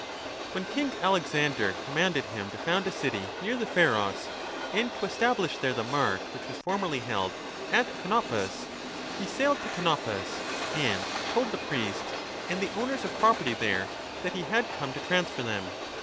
When king Alexander commanded him to found a city near the Pharos and to establish there the mart which was 3 formerly held at Canopus, he sailed to Canopus and told the priests and the owners of property there that he had come to transfer them.